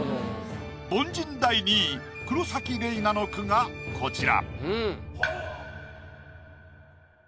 凡人第２位黒崎レイナの句がこちら。